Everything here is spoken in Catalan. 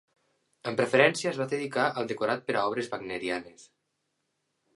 Amb preferència es va dedicar al decorat per a obres wagnerianes.